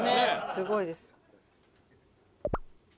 すごいです。